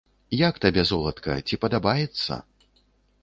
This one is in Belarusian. Як табе, золатка, ці падабаецца?